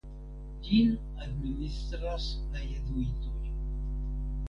Ĝin administras la jezuitoj.